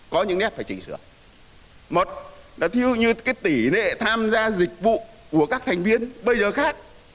có những nét phải chỉnh sửa một là thiêu như cái tỷ lệ tham gia dịch vụ của các thành viên bây giờ khác